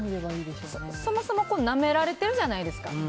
そもそもなめられてるじゃないですか。